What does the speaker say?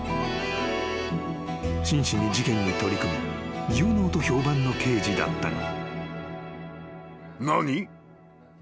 ［真摯に事件に取り組み有能と評判の刑事だったが］